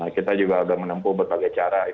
kita juga sudah menempuh berbagai cara